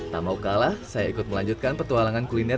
tak mau kalah saya ikut melanjutkan petualangan kuliner